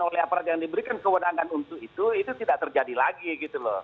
oleh aparat yang diberikan kewenangan untuk itu itu tidak terjadi lagi gitu loh